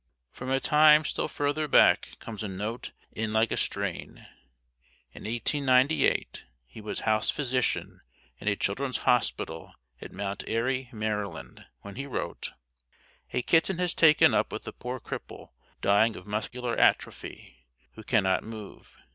From a time still further back comes a note in a like strain. In 1898 he was house physician in a children's hospital at Mt. Airy, Maryland, when he wrote: A kitten has taken up with a poor cripple dying of muscular atrophy who cannot move.